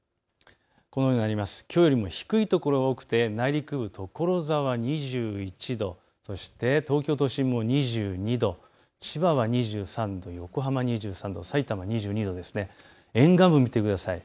きょうよりも低い所が多くて内陸部、所沢２１度、東京都心も２２度、千葉は２３度、横浜２３度、さいたま２２度、沿岸部を見てください。